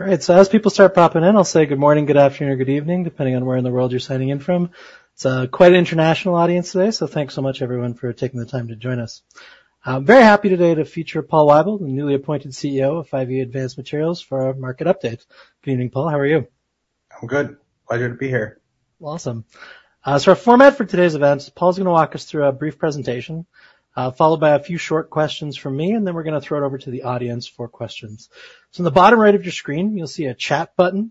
All right, so as people start popping in, I'll say good morning, good afternoon, or good evening, depending on where in the world you're signing in from. It's a quite international audience today, so thanks so much, everyone, for taking the time to join us. I'm very happy today to feature Paul Weibel, the newly appointed CEO of 5E Advanced Materials, for our market update. Good evening, Paul. How are you? I'm good. Glad to be here. Awesome. So our format for today's event is Paul's going to walk us through a brief presentation, followed by a few short questions from me, and then we're going to throw it over to the audience for questions. So in the bottom right of your screen, you'll see a chat button.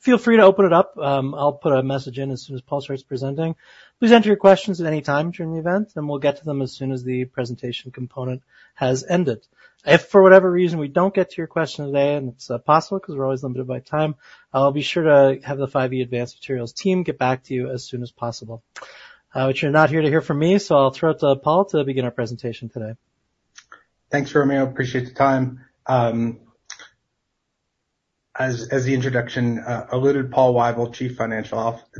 Feel free to open it up. I'll put a message in as soon as Paul starts presenting. Please enter your questions at any time during the event, and we'll get to them as soon as the presentation component has ended. If for whatever reason we don't get to your question today, and it's possible because we're always limited by time, I'll be sure to have the 5E Advanced Materials team get back to you as soon as possible. But you're not here to hear from me, so I'll throw it to Paul to begin our presentation today. Thanks, Romeo. Appreciate the time. As the introduction alluded, Paul Weibel,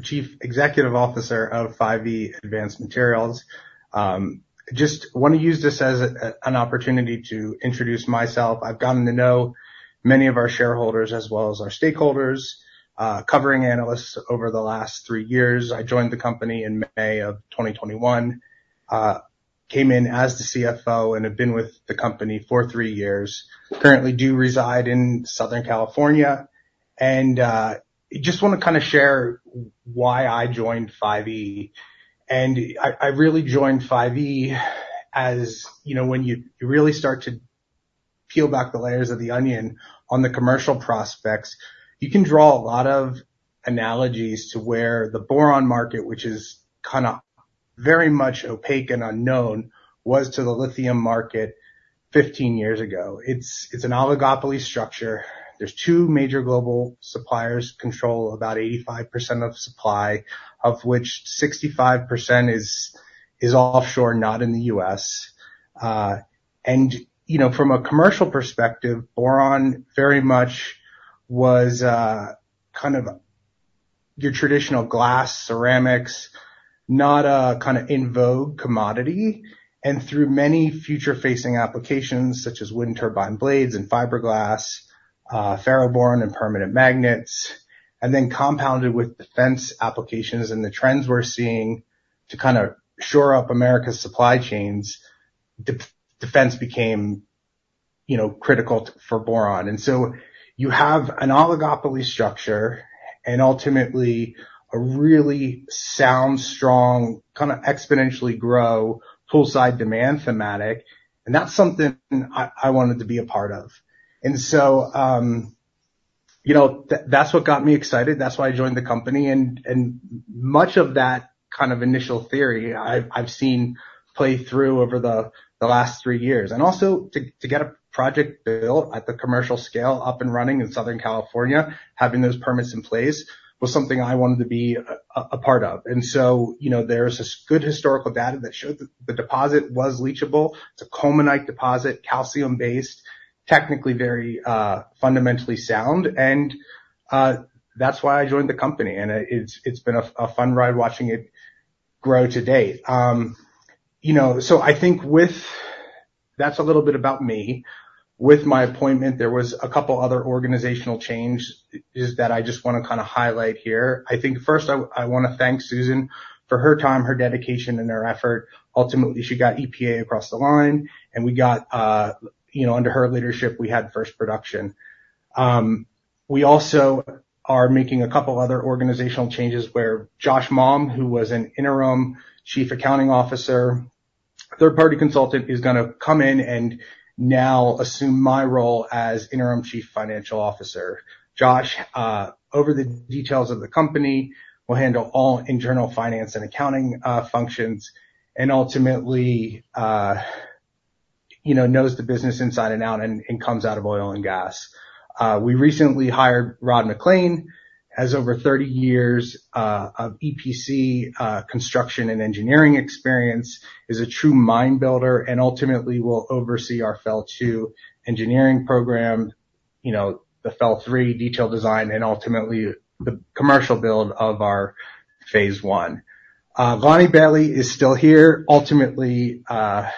Chief Executive Officer of 5E Advanced Materials, just want to use this as an opportunity to introduce myself. I've gotten to know many of our shareholders as well as our stakeholders, covering analysts over the last three years. I joined the company in May of 2021, came in as the CFO, and have been with the company for three years. Currently do reside in Southern California. I just want to kind of share why I joined 5E. I really joined 5E as, you know, when you really start to peel back the layers of the onion on the commercial prospects, you can draw a lot of analogies to where the boron market, which is kind of very much opaque and unknown, was to the lithium market 15 years ago. It's an oligopoly structure. There's two major global suppliers that control about 85% of supply, of which 65% is offshore, not in the U.S. You know, from a commercial perspective, boron very much was kind of your traditional glass, ceramics, not a kind of in-vogue commodity. Through many future-facing applications, such as wind turbine blades and fiberglass, ferroboron and permanent magnets, and then compounded with defense applications and the trends we're seeing to kind of shore up America's supply chains, defense became, you know, critical for boron. So you have an oligopoly structure and ultimately a really sound, strong, kind of exponentially grow, poolside demand thematic. That's something I wanted to be a part of. You know, that's what got me excited. That's why I joined the company. Much of that kind of initial theory I've seen play through over the last three years. And also, to get a project built at the commercial scale up and running in Southern California, having those permits in place was something I wanted to be a part of. And so, you know, there's this good historical data that showed that the deposit was leachable. It's a colemanite deposit, calcium-based, technically very fundamentally sound. And that's why I joined the company. And it's been a fun ride watching it grow to date. You know, so I think with that, that's a little bit about me. With my appointment, there was a couple other organizational changes that I just want to kind of highlight here. I think first, I want to thank Susan for her time, her dedication, and her effort. Ultimately, she got EPA across the line, and we got, you know, under her leadership, we had first production. We also are making a couple other organizational changes where Josh Malm, who was an interim Chief Accounting Officer, third-party consultant, is going to come in and now assume my role as interim Chief Financial Officer. Josh, over the details of the company, will handle all internal finance and accounting functions, and ultimately, you know, knows the business inside and out and comes out of oil and gas. We recently hired Rod MacLean. He has over 30 years of EPC construction and engineering experience, is a true mind builder, and ultimately will oversee our FEL II engineering program, you know, the FEL III detail design, and ultimately the commercial build of our Phase I. Vonnie Bailey is still here. Ultimately, she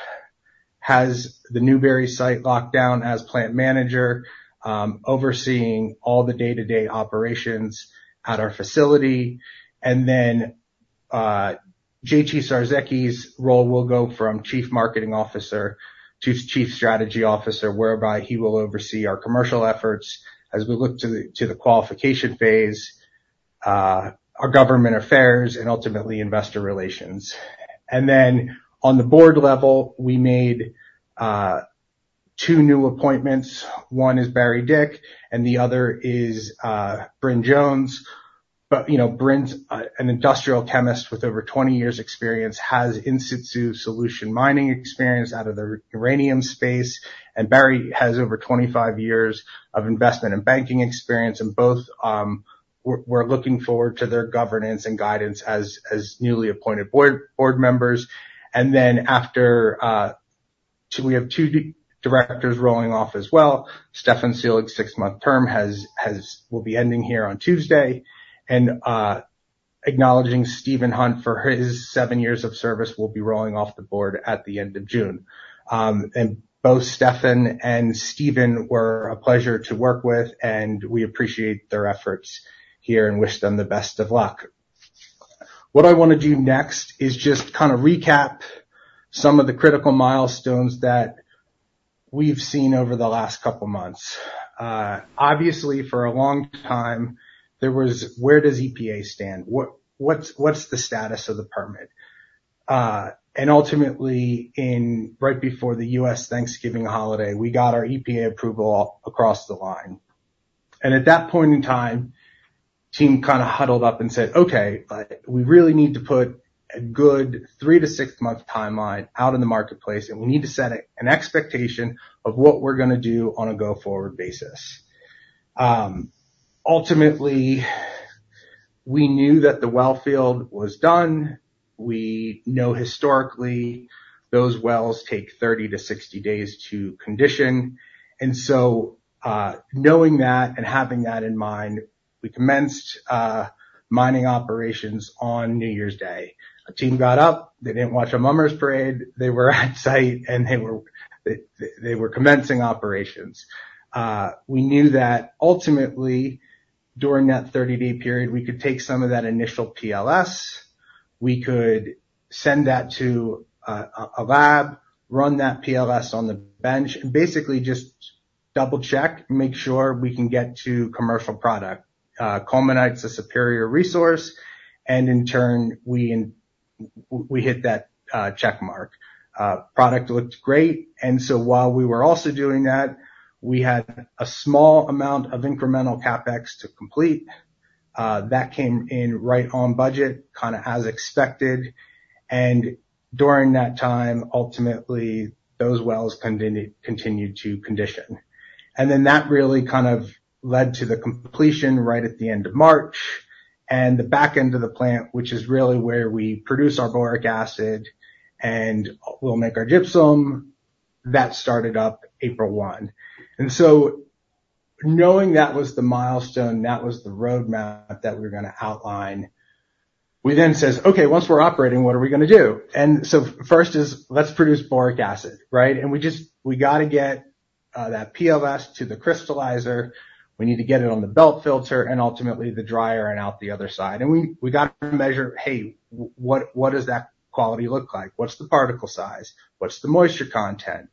has the Newberry site locked down as plant manager, overseeing all the day-to-day operations at our facility. And then J.T. Starzecki's role will go from Chief Marketing Officer to Chief Strategy Officer, whereby he will oversee our commercial efforts as we look to the qualification phase, our government affairs, and ultimately investor relations. And then on the board level, we made two new appointments. One is Barry Dick, and the other is Bryn Jones. But, you know, Bryn's an industrial chemist with over 20 years' experience, has in-situ solution mining experience out of the uranium space. And Barry has over 25 years of investment and banking experience. And both were looking forward to their governance and guidance as newly appointed board members. And then after, we have two directors rolling off as well. Stefan Selig's six-month term will be ending here on Tuesday. And acknowledging Stephen Hunt for his seven years of service, will be rolling off the board at the end of June. And both Stephan and Stephen were a pleasure to work with, and we appreciate their efforts here and wish them the best of luck. What I want to do next is just kind of recap some of the critical milestones that we've seen over the last couple of months. Obviously, for a long time, there was, where does EPA stand? What's the status of the permit? And ultimately, right before the U.S. Thanksgiving holiday, we got our EPA approval across the line. And at that point in time, the team kind of huddled up and said, "Okay, we really need to put a good 3- to 6-month timeline out in the marketplace, and we need to set an expectation of what we're going to do on a go-forward basis." Ultimately, we knew that the well field was done. We know historically those wells take 30-60 days to condition. Knowing that and having that in mind, we commenced mining operations on New Year's Day. The team got up. They didn't watch a Mummers Parade. They were at site, and they were commencing operations. We knew that ultimately, during that 30-day period, we could take some of that initial PLS. We could send that to a lab, run that PLS on the bench, and basically just double-check, make sure we can get to commercial product. Colemanite's a superior resource. In turn, we hit that checkmark. Product looked great. While we were also doing that, we had a small amount of incremental CapEx to complete. That came in right on budget, kind of as expected. During that time, ultimately, those wells continued to condition. Then that really kind of led to the completion right at the end of March. The back end of the plant, which is really where we produce our boric acid and will make our gypsum, that started up April 1. So knowing that was the milestone, that was the roadmap that we were going to outline, we then says, "Okay, once we're operating, what are we going to do?" So first is, let's produce boric acid, right? And we just, we got to get that PLS to the crystallizer. We need to get it on the belt filter and ultimately the dryer and out the other side. And we got to measure, "Hey, what does that quality look like? What's the particle size? What's the moisture content?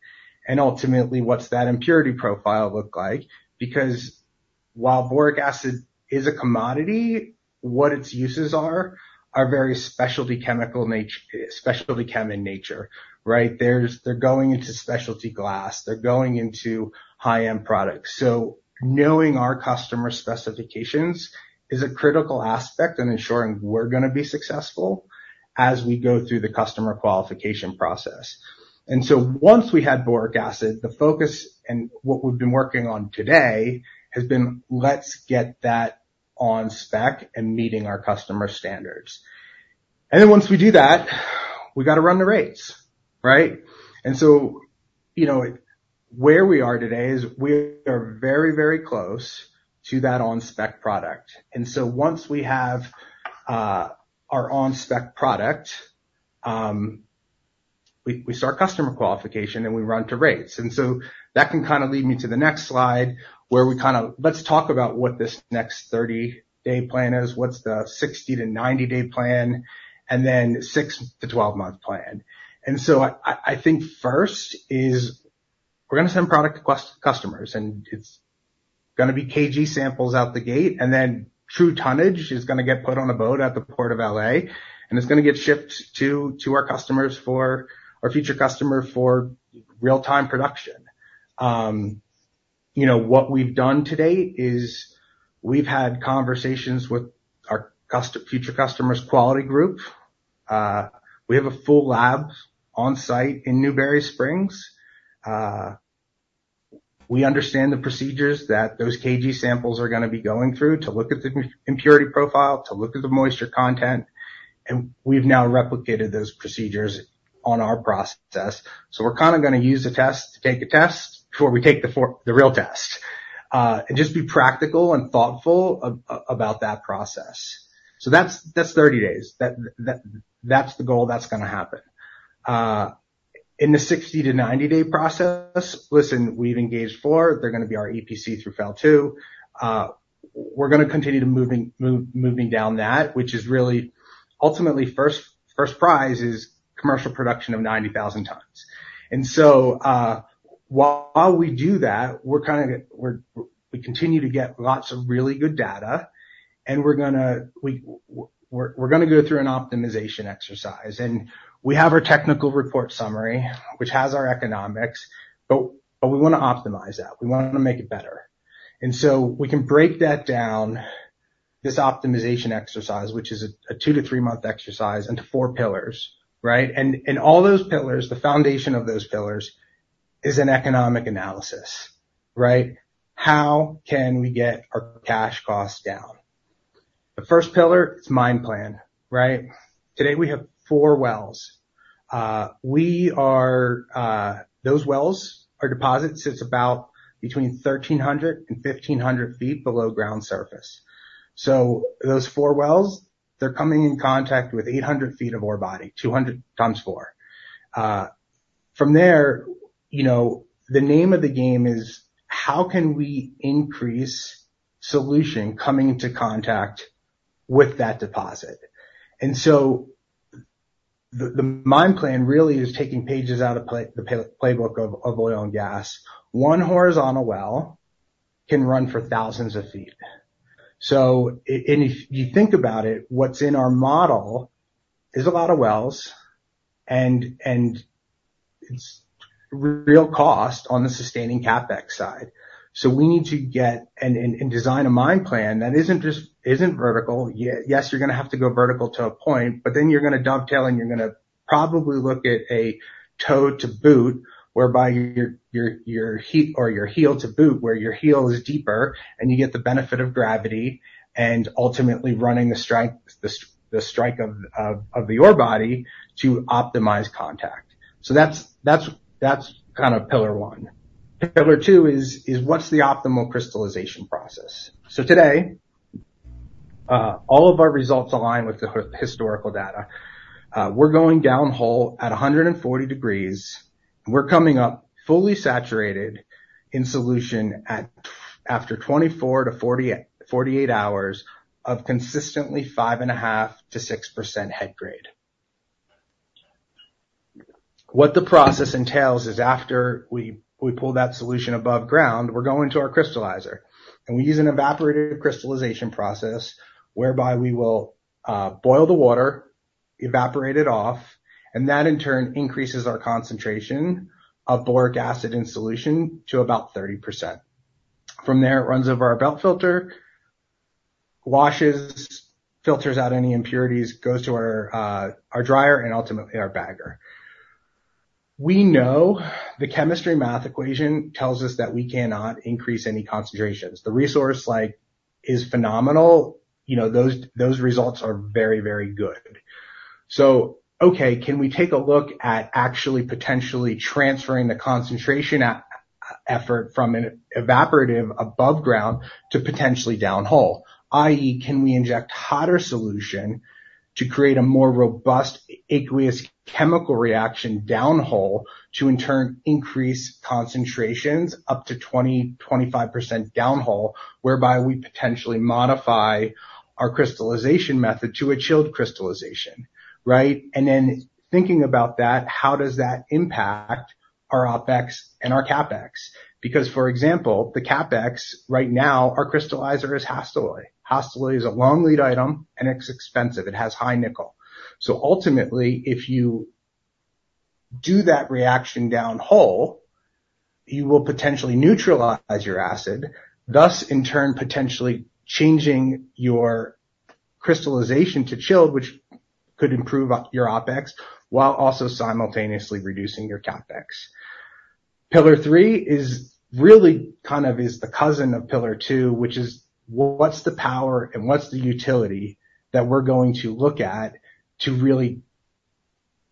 And ultimately, what's that impurity profile look like?" Because while boric acid is a commodity, what its uses are are very specialty chemical, specialty chem in nature, right? They're going into specialty glass. They're going into high-end products. So knowing our customer specifications is a critical aspect in ensuring we're going to be successful as we go through the customer qualification process. And so once we had boric acid, the focus and what we've been working on today has been, let's get that on spec and meeting our customer standards. And then once we do that, we got to run the rates, right? And so, you know, where we are today is we are very, very close to that on-spec product. And so once we have our on-spec product, we start customer qualification and we run to rates. And so that can kind of lead me to the next slide where we kind of, let's talk about what this next 30-day plan is, what's the 60 to 90-day plan, and then 6 to 12-month plan. And so I think first is we're going to send product to customers, and it's going to be KG samples out the gate. And then true tonnage is going to get put on a boat at the Port of L.A., and it's going to get shipped to our customers for our future customer for real-time production. You know, what we've done to date is we've had conversations with our future customer's quality group. We have a full lab on site in Newberry Springs. We understand the procedures that those KG samples are going to be going through to look at the impurity profile, to look at the moisture content. And we've now replicated those procedures on our process. So we're kind of going to use a test to take a test before we take the real test and just be practical and thoughtful about that process. So that's 30 days. That's the goal that's going to happen. In the 60- to 90-day process, listen, we've engaged 4. They're going to be our EPC through FEL II. We're going to continue to moving down that, which is really ultimately first prize is commercial production of 90,000 tons. So while we do that, we're kind of, we continue to get lots of really good data, and we're going to go through an optimization exercise. And we have our Technical Report Summary, which has our economics, but we want to optimize that. We want to make it better. So we can break that down, this optimization exercise, which is a two- to three-month exercise into 4 pillars, right? And all those pillars, the foundation of those pillars is an economic analysis, right? How can we get our cash costs down? The first pillar, it's mine plan, right? Today we have 4 wells. We are, those wells, our deposit sits about between 1,300-1,500 feet below ground surface. So those 4 wells, they're coming in contact with 800 feet of ore body, 200 times 4. From there, you know, the name of the game is how can we increase solution coming into contact with that deposit? And so the mine plan really is taking pages out of the playbook of oil and gas. One horizontal well can run for thousands of feet. So if you think about it, what's in our model is a lot of wells and it's real cost on the sustaining CapEx side. So we need to get and design a mine plan that isn't just vertical. Yes, you're going to have to go vertical to a point, but then you're going to dovetail and you're going to probably look at a heel-to-toe whereby your heel-to-toe where your heel is deeper and you get the benefit of gravity and ultimately running the strike of the ore body to optimize contact. So that's kind of pillar one. Pillar two is what's the optimal crystallization process? So today, all of our results align with the historical data. We're going downhole at 140 degrees. We're coming up fully saturated in solution after 24-48 hours of consistently 5.5%-6% head grade. What the process entails is after we pull that solution above ground, we're going to our crystallizer. We use an evaporative crystallization process whereby we will boil the water, evaporate it off, and that in turn increases our concentration of boric acid in solution to about 30%. From there, it runs over our belt filter, washes, filters out any impurities, goes to our dryer, and ultimately our bagger. We know the chemistry math equation tells us that we cannot increase any concentrations. The resource, like, is phenomenal. You know, those results are very, very good. So, okay, can we take a look at actually potentially transferring the concentration effort from an evaporative above ground to potentially downhole? I.e., can we inject hotter solution to create a more robust aqueous chemical reaction downhole to in turn increase concentrations up to 20%-25% downhole whereby we potentially modify our crystallization method to a chilled crystallization, right? Then thinking about that, how does that impact our OpEx and our CapEx? Because, for example, the CapEx right now, our crystallizer is Hastelloy. Hastelloy is a long lead item, and it's expensive. It has high nickel. So ultimately, if you do that reaction downhole, you will potentially neutralize your acid, thus in turn potentially changing your crystallization to chilled, which could improve your OpEx while also simultaneously reducing your CapEx. Pillar three is really kind of the cousin of pillar two, which is what's the power and what's the utility that we're going to look at to really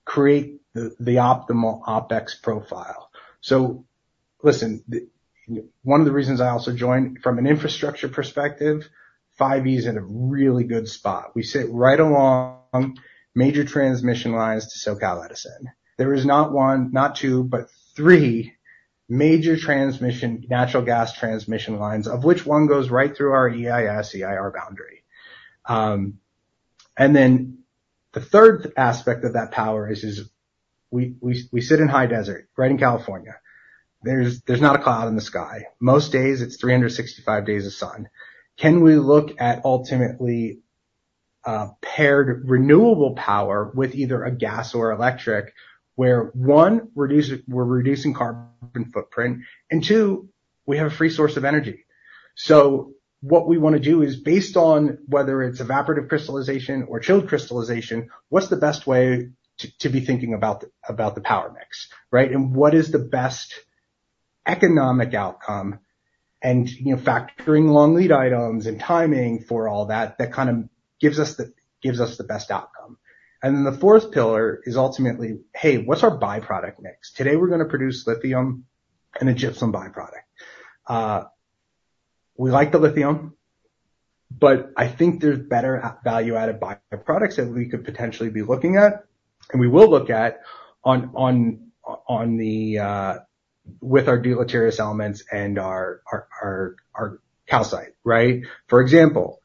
create the optimal OpEx profile. So listen, one of the reasons I also joined from an infrastructure perspective, 5E is in a really good spot. We sit right along major transmission lines to SoCal Edison. There is not one, not two, but three major transmission natural gas transmission lines, of which one goes right through our EIS/EIR boundary. And then the third aspect of that power is we sit in high desert, right in California. There's not a cloud in the sky. Most days, it's 365 days of sun. Can we look at ultimately paired renewable power with either a gas or electric where one, we're reducing carbon footprint, and two, we have a free source of energy? So what we want to do is based on whether it's evaporative crystallization or chilled crystallization, what's the best way to be thinking about the power mix, right? And what is the best economic outcome and factoring long lead items and timing for all that that kind of gives us the best outcome? And then the fourth pillar is ultimately, hey, what's our byproduct mix? Today we're going to produce lithium and a gypsum byproduct. We like the lithium, but I think there's better value-added byproducts that we could potentially be looking at, and we will look at with our deleterious elements and our calcite, right? For example,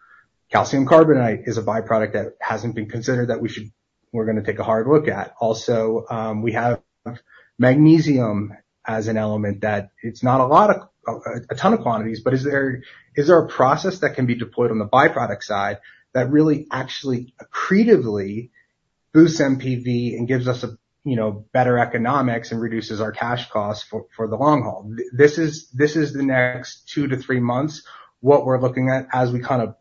calcium carbonate is a byproduct that hasn't been considered that we're going to take a hard look at. Also, we have magnesium as an element that it's not a lot of a ton of quantities, but is there a process that can be deployed on the byproduct side that really actually accretively boosts MPV and gives us better economics and reduces our cash costs for the long haul? This is the next 2-3 months what we're looking at as we kind of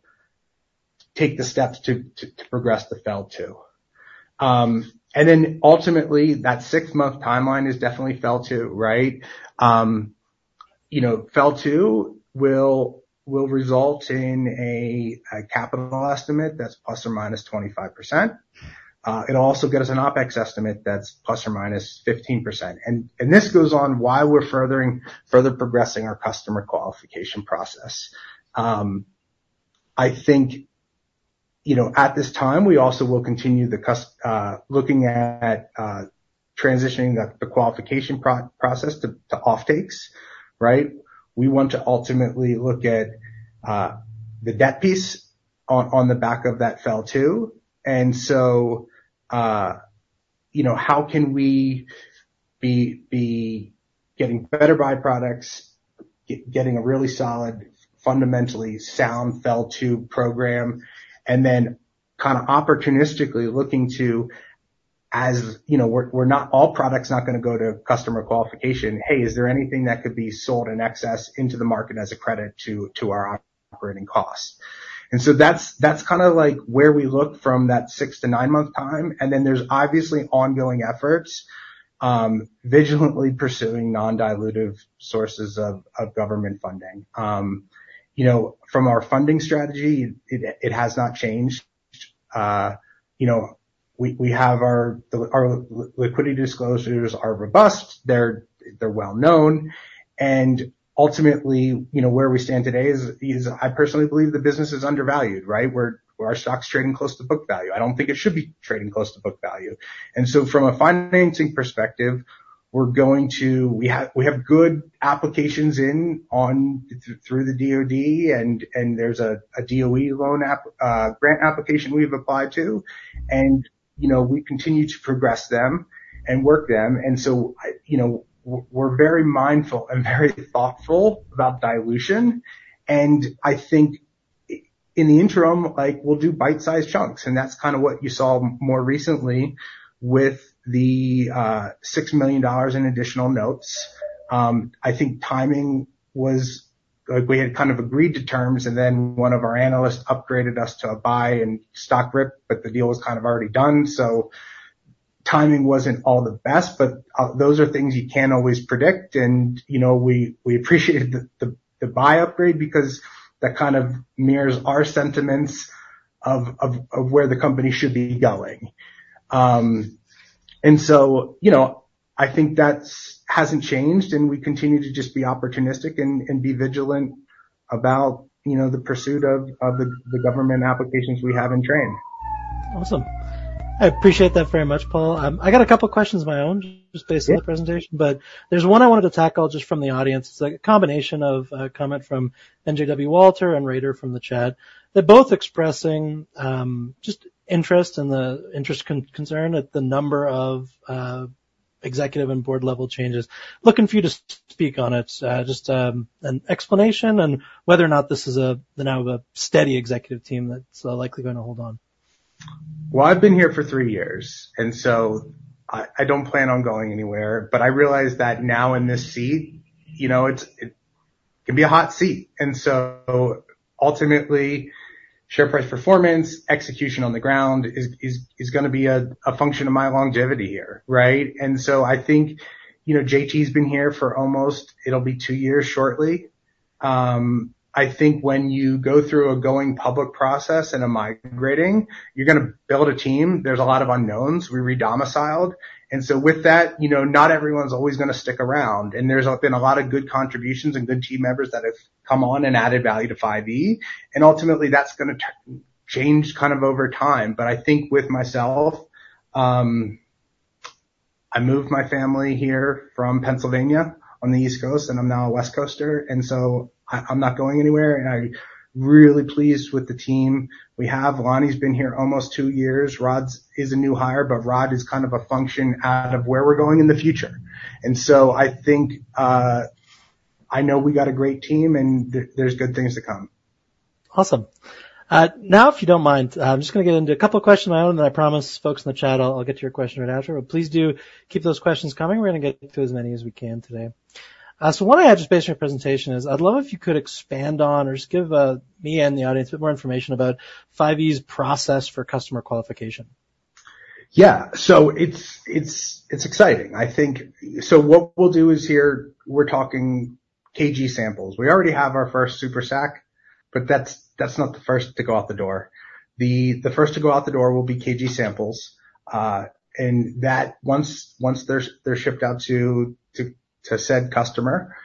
take the steps to progress to FEL II. Then ultimately, that 6-month timeline is definitely FEL II, right? You know, FEL II will result in a capital estimate that's ±25%. It'll also get us an OpEx estimate that's ±15%. And this goes on why we're further progressing our customer qualification process. I think, you know, at this time, we also will continue looking at transitioning the qualification process to offtakes, right? We want to ultimately look at the debt piece on the back of that FEL II. And so, you know, how can we be getting better byproducts, getting a really solid, fundamentally sound FEL II program, and then kind of opportunistically looking to, as you know, we're not all products not going to go to customer qualification. Hey, is there anything that could be sold in excess into the market as a credit to our operating costs? So that's kind of like where we look from that 6-9-month time. And then there's obviously ongoing efforts vigilantly pursuing non-dilutive sources of government funding. You know, from our funding strategy, it has not changed. You know, we have our liquidity disclosures are robust. They're well-known. And ultimately, you know, where we stand today is I personally believe the business is undervalued, right? Our stock's trading close to book value. I don't think it should be trading close to book value. And so from a financing perspective, we're going to, we have good applications in on through the DOD, and there's a DOE loan grant application we've applied to. And, you know, we continue to progress them and work them. And so, you know, we're very mindful and very thoughtful about dilution. And I think in the interim, like we'll do bite-sized chunks. And that's kind of what you saw more recently with the $6 million in additional notes. I think timing was like we had kind of agreed to terms, and then one of our analysts upgraded us to a buy and stock rip, but the deal was kind of already done. So timing wasn't all the best, but those are things you can't always predict. And, you know, we appreciated the buy upgrade because that kind of mirrors our sentiments of where the company should be going. And so, you know, I think that hasn't changed, and we continue to just be opportunistic and be vigilant about, you know, the pursuit of the government applications we have in training. Awesome. I appreciate that very much, Paul. I got a couple of questions of my own just based on the presentation, but there's one I wanted to tackle just from the audience. It's a combination of a comment from NJW Walter and Raider from the chat that both expressing just interest and the interest concern at the number of executive and board-level changes. Looking for you to speak on it, just an explanation and whether or not this is the now of a steady executive team that's likely going to hold on. Well, I've been here for three years, and so I don't plan on going anywhere, but I realize that now in this seat, you know, it can be a hot seat. And so ultimately, share price performance, execution on the ground is going to be a function of my longevity here, right? And so I think, you know, JT has been here for almost, it'll be two years shortly. I think when you go through a going public process and a migrating, you're going to build a team. There's a lot of unknowns. We redomiciled. And so with that, you know, not everyone's always going to stick around. And there's been a lot of good contributions and good team members that have come on and added value to 5E. And ultimately, that's going to change kind of over time. But I think with myself, I moved my family here from Pennsylvania on the East Coast, and I'm now a West Coaster. And so I'm not going anywhere. And I'm really pleased with the team we have. Vonnie's been here almost two years. Rod is a new hire, but Rod is kind of a function out of where we're going in the future. And so I think I know we got a great team, and there's good things to come. Awesome. Now, if you don't mind, I'm just going to get into a couple of questions on my own, and I promise folks in the chat, I'll get to your question right after, but please do keep those questions coming. We're going to get through as many as we can today. So one I had just based on your presentation is I'd love if you could expand on or just give me and the audience a bit more information about 5E's process for customer qualification. Yeah, so it's exciting. I think so what we'll do is here, we're talking KG samples. We already have our first Super Sack, but that's not the first to go out the door. The first to go out the door will be KG samples. And that once they're shipped out to said customer,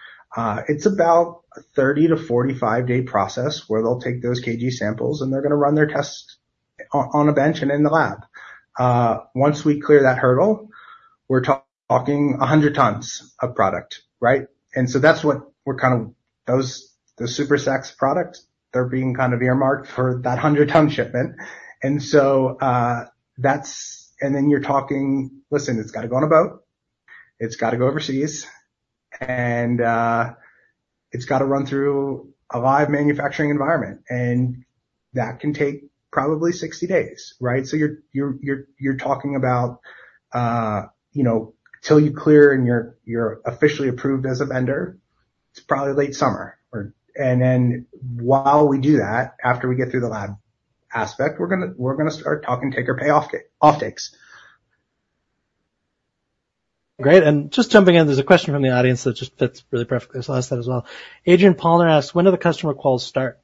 it's about a 30- to 45-day process where they'll take those KG samples and they're going to run their tests on a bench and in the lab. Once we clear that hurdle, we're talking 100 tons of product, right? And so that's what we're kind of those Super Sacks products, they're being kind of earmarked for that 100-ton shipment. And so that's, and then you're talking, listen, it's got to go on a boat. It's got to go overseas. And it's got to run through a live manufacturing environment. And that can take probably 60 days, right? So you're talking about, you know, till you clear and you're officially approved as a vendor, it's probably late summer. And then while we do that, after we get through the lab aspect, we're going to start talking take or pay offtakes. Great. And just jumping in, there's a question from the audience that just fits really perfectly. So I'll ask that as well. Adrian Palmer asked, when do the customer calls start?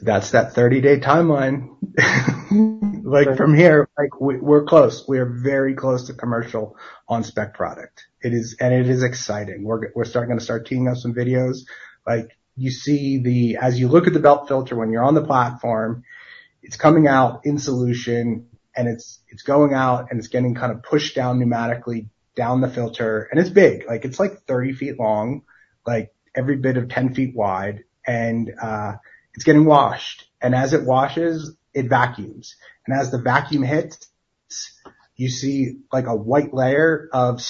That's that 30-day timeline. Like from here, we're close. We are very close to commercial on spec product. And it is exciting. We're starting to start teeing up some videos. Like you see the, as you look at the belt filter when you're on the platform, it's coming out in solution and it's going out and it's getting kind of pushed down pneumatically down the filter. And it's big. Like it's like 30 feet long, like every bit of 10 feet wide. And it's getting washed. And as it washes, it vacuums. As the vacuum hits, you see like a white layer of,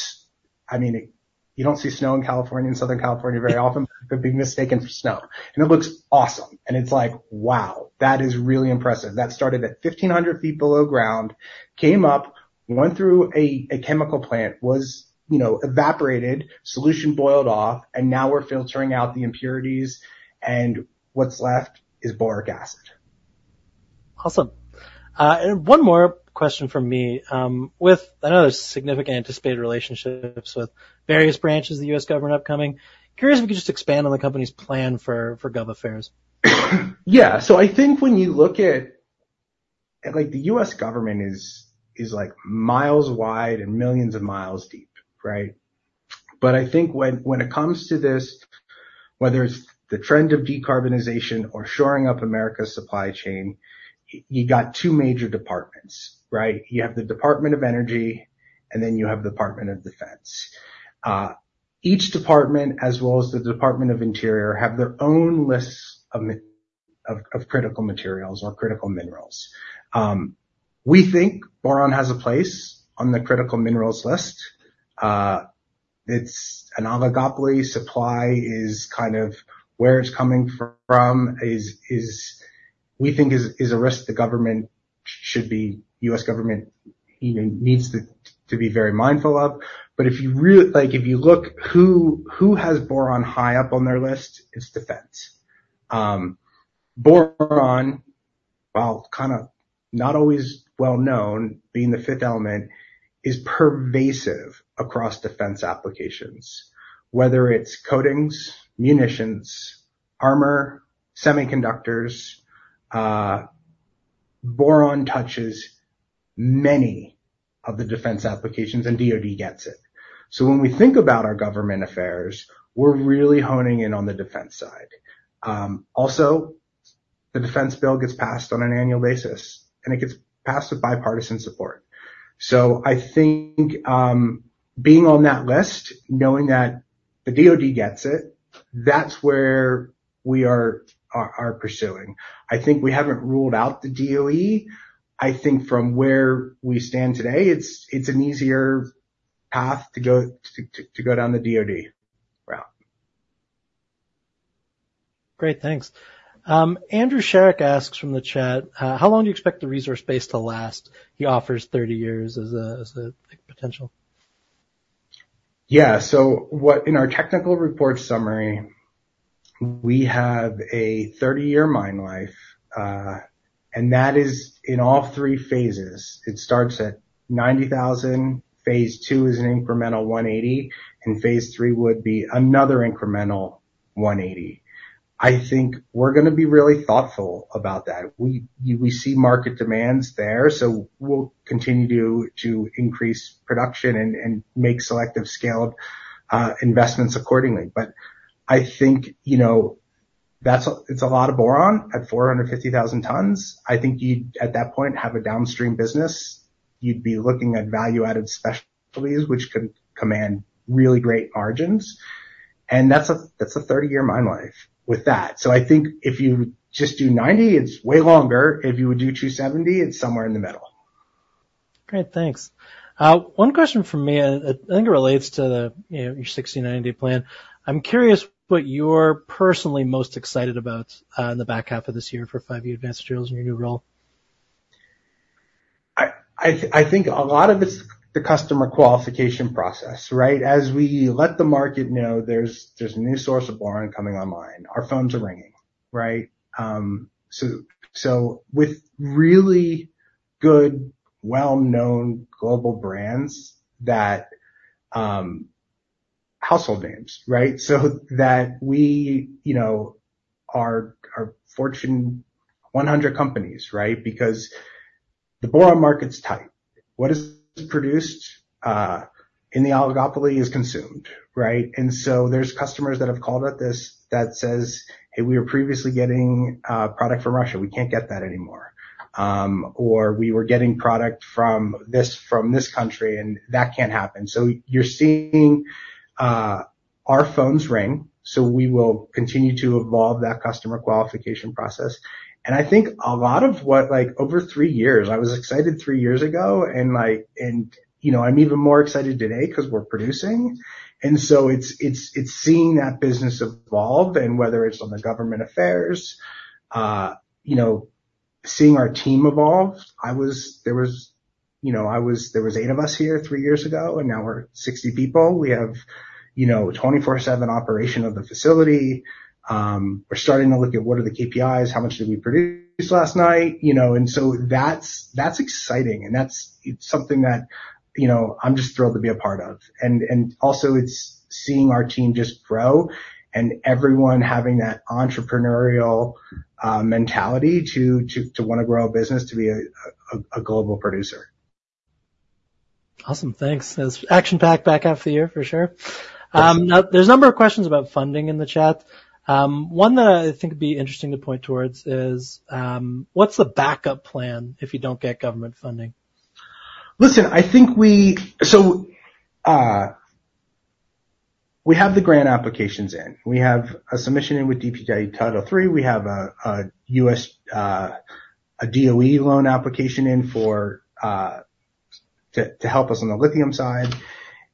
I mean, you don't see snow in California and Southern California very often, but being mistaken for snow. And it looks awesome. And it's like, wow, that is really impressive. That started at 1,500 feet below ground, came up, went through a chemical plant, was, you know, evaporated, solution boiled off, and now we're filtering out the impurities and what's left is boric acid. Awesome. And one more question from me with another significant anticipated relationships with various branches of the U.S. government upcoming. Curious if we could just expand on the company's plan for GovAffairs. Yeah. So I think when you look at, like the U.S. government is like miles wide and millions of miles deep, right? But I think when it comes to this, whether it's the trend of decarbonization or shoring up America's supply chain, you got two major departments, right? You have the Department of Energy and then you have the Department of Defense. Each department, as well as the Department of Interior, have their own lists of critical materials or critical minerals. We think Boron has a place on the critical minerals list. It's an oligopoly. Supply is kind of where it's coming from, we think is a risk the government should be, U.S. government needs to be very mindful of. But if you really, like if you look who has Boron high up on their list, it's defense. Boron, while kind of not always well-known, being the fifth element, is pervasive across defense applications, whether it's coatings, munitions, armor, semiconductors. Boron touches many of the defense applications and DOD gets it. So when we think about our government affairs, we're really honing in on the defense side. Also, the defense bill gets passed on an annual basis and it gets passed with bipartisan support. So I think being on that list, knowing that the DOD gets it, that's where we are pursuing. I think we haven't ruled out the DOE. I think from where we stand today, it's an easier path to go down the DOD route. Great. Thanks. Andrew Sharek asks from the chat, how long do you expect the resource base to last? He offers 30 years as a potential. Yeah. So in our Technical Report Summary, we have a 30-year mine life. And that is in all three phases. It starts at 90,000. Phase two is an incremental 180. And phase three would be another incremental 180. I think we're going to be really thoughtful about that. We see market demands there. So we'll continue to increase production and make selective scale investments accordingly. But I think, you know, that's a lot of Boron at 450,000 tons. I think you'd at that point have a downstream business. You'd be looking at value-added specialties, which could command really great margins. And that's a 30-year mine life with that. So I think if you just do 90, it's way longer. If you would do 270, it's somewhere in the middle. Great. Thanks. One question for me. I think it relates to your 60-90 plan. I'm curious what you're personally most excited about in the back half of this year for 5E Advanced Materials in your new role. I think a lot of it's the customer qualification process, right? As we let the market know there's a new source of Boron coming online, our phones are ringing, right? So with really good, well-known global brands, that household names, right? So that we, you know, are Fortune 100 companies, right? Because the boron market's tight. What is produced in the oligopoly is consumed, right? And so there's customers that have called out this that says, hey, we were previously getting product from Russia. We can't get that anymore. Or we were getting product from this country and that can't happen. So you're seeing our phones ring. So we will continue to evolve that customer qualification process. And I think a lot of what, like over three years, I was excited three years ago and like, and you know, I'm even more excited today because we're producing. And so it's seeing that business evolve and whether it's on the government affairs, you know, seeing our team evolve. You know, there were eight of us here three years ago and now we're 60 people. We have, you know, 24/7 operation of the facility. We're starting to look at what are the KPIs, how much did we produce last night, you know? And so that's exciting. And that's something that, you know, I'm just thrilled to be a part of. And also it's seeing our team just grow and everyone having that entrepreneurial mentality to want to grow a business, to be a global producer. Awesome. Thanks. It's been an action-packed year for sure. There's a number of questions about funding in the chat. One that I think would be interesting to point towards is what's the backup plan if you don't get government funding? Listen, I think we, so we have the grant applications in. We have a submission in with DPA Title III. We have a U.S. DOE loan application in to help us on the lithium side.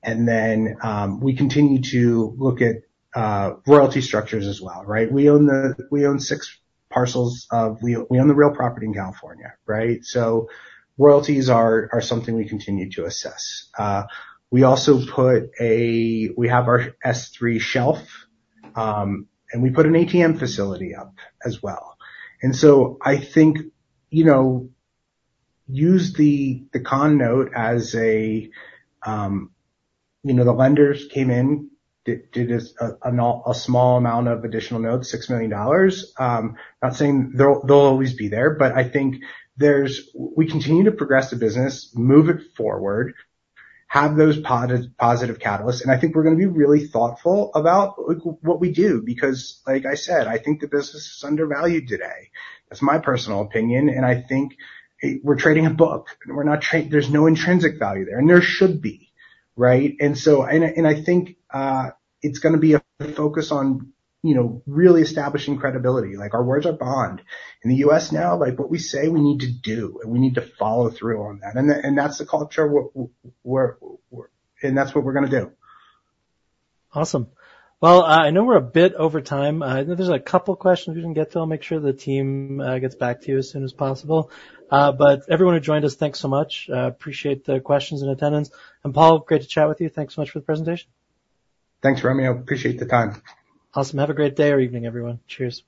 And then we continue to look at royalty structures as well, right? We own 6 parcels of, we own the real property in California, right? So royalties are something we continue to assess. We also put a, we have our S-3 shelf and we put an ATM facility up as well. And so I think, you know, use the convertible note as a, you know, the lenders came in, did a small amount of additional note, $6 million. Not saying they'll always be there, but I think there's, we continue to progress the business, move it forward, have those positive catalysts. And I think we're going to be really thoughtful about what we do because, like I said, I think the business is undervalued today. That's my personal opinion. And I think we're trading at book and we're not; there's no intrinsic value there. And there should be, right? And so, and I think it's going to be a focus on, you know, really establishing credibility. Like our word is our bond. In the U.S. now, like what we say we need to do and we need to follow through on that. And that's the culture and that's what we're going to do. Awesome. Well, I know we're a bit over time. I know there's a couple of questions we didn't get to. I'll make sure the team gets back to you as soon as possible. But everyone who joined us, thanks so much. Appreciate the questions and attendance. And Paul, great to chat with you. Thanks so much for the presentation. Thanks, Romeo. Appreciate the time. Awesome. Have a great day or evening, everyone. Cheers.